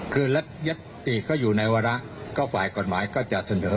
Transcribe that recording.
คือยัตติก็อยู่ในวาระก็ฝ่ายกฎหมายก็จะเสนอ